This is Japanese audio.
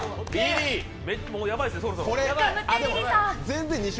もうやばいですねそろそろ。